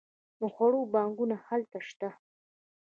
د خوړو بانکونه هلته شته.